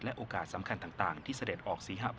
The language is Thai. และโอกาสสำคัญทั้งที่เสด็จออกศรีหะบัญชร